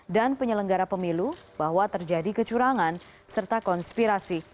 dan penyelenggara pemilu bahwa terjadi kecurangan serta konspirasi